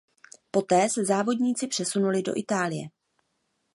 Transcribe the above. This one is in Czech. Poté se závodníci přesunuli do Itálie.